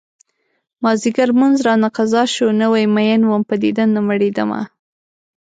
مازديګر لمونځ رانه قضا شو نوی مين وم په دیدن نه مړيدمه